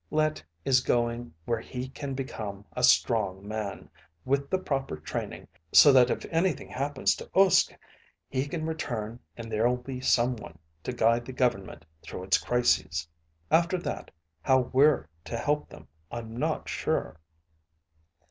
Let is going where he can become a strong man, with the proper training, so that if anything happens to Uske, he can return and there'll be someone to guide the government through its crises. After that, how we're to help them, I'm not sure."